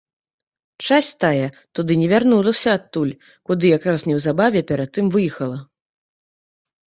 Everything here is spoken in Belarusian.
Часць тая туды не вярнулася адтуль, куды якраз неўзабаве перад тым выехала.